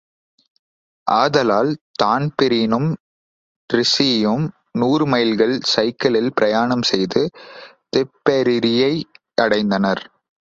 ஆதலால் தான்பிரீனும் டிரீஸியும் நூறுமைல்கள் சைக்கிளில் பிரயாணம் செய்து திப்பெரரியையடைந்தனர்.